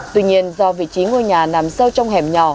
tuy nhiên do vị trí ngôi nhà nằm sâu trong hẻm nhỏ